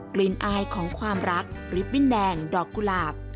อายของความรักริบบิ้นแดงดอกกุหลาบ